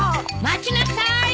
待ちなさーい！